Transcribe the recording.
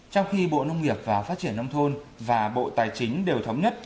trong khi bộ nông nghiệp và phát triển nông thôn và bộ tài chính đều thống nhất